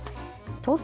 東京